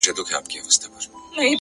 زړه مي له رباب سره ياري کوي-